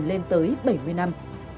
đó là độ bền bảy mươi năm